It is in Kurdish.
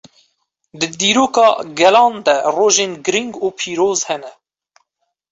Di dîroka gelan de rojên girîng û pîroz hene.